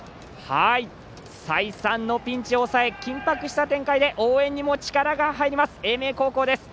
再三のピンチを抑え緊迫した展開で応援にも力が入る英明高校です。